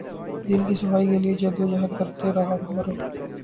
دل کی صفائی کے لیے جد و جہد کرتے رہا کرو۔